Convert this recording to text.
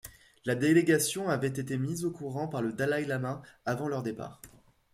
La délégation avait été mise au courant par le dalaï-lama avant leur départ.